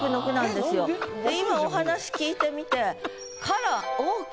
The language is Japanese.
で今お話聞いてみて「からＯＫ」。